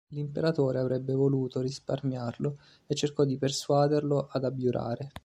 L'imperatore avrebbe voluto risparmiarlo e cercò di persuaderlo ad abiurare.